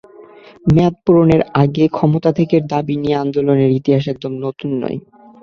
মেয়াদ পূরণের আগেই ক্ষমতা ত্যাগের দাবি নিয়ে আন্দোলনের ইতিহাস একদম নতুন নয়।